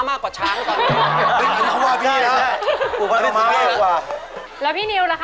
แล้วพี่นิวล่ะคะพี่นิว